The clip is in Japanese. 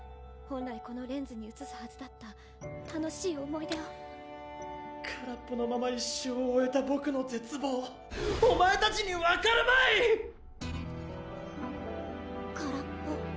本来このレンズに写すはずだった楽しい思い出を空っぽのまま一生を終えたボクの絶望お前たちに分かるまい！